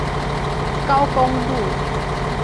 高工路